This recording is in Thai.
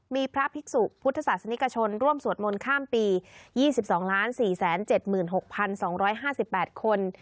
มีพระภิกษุพุทธศาสนิกชนร่วมสวดมนต์ข้ามปี๒๒๔๗๖๒๕๘คน